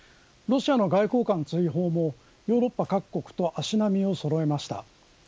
ロシアの外交官追放もヨーロッパ各国と足並みをそろえました。